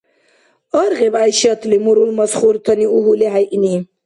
Аргъиб ГӀяйшатли мурул масхуртани угьули хӀейъни...